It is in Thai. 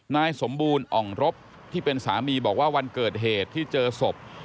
นายสมบูรณ์อ่องรบที่เป็นสามีบอกว่าวันเกิดเหตุที่เจอศพ